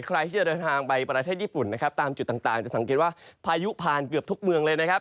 ใครที่จะเดินทางไปประเทศญี่ปุ่นนะครับตามจุดต่างจะสังเกตว่าพายุผ่านเกือบทุกเมืองเลยนะครับ